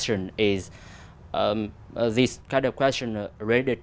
trong công việc